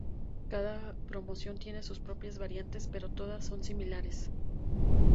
Cada promoción tiene sus propias variantes, pero todas son similares.